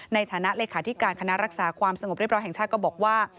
ในฐานะเลขาธิการคณะรักษาความสงบเรียบร้อยแห่งชาติก็บอกว่า